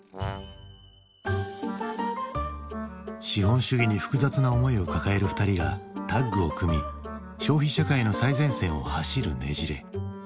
資本主義に複雑な思いを抱える２人がタッグを組み消費社会の最前線を走るねじれ。